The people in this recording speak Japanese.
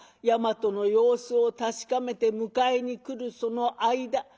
山都の様子を確かめて迎えに来るその間」。